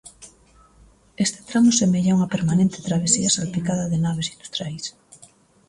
Este tramo semella unha permanente travesía salpicada de naves industriais.